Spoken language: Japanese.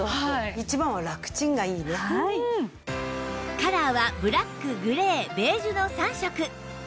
カラーはブラックグレーベージュの３色